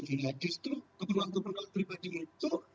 jadi itu kebutuhan kebutuhan pribadi itu